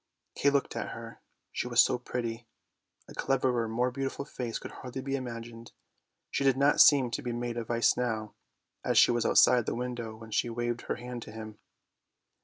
" Kay looked at her, she was so pretty ; a cleverer, more beauti ful face could hardly be imagined. She did not seem to be made of ice now, as she was outside the window when she waved her hand to him.